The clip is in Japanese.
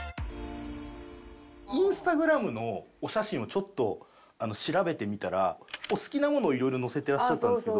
Ｉｎｓｔａｇｒａｍのお写真をちょっと調べてみたらお好きなものをいろいろ載せていらっしゃったんですけど。